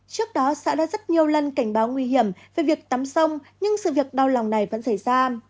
trước đó xã đã rất nhiều lần cảnh báo nguy hiểm về việc tắm sông nhưng sự việc đau lòng này vẫn xảy ra